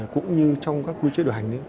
cũng như trong các quy chế đoàn hành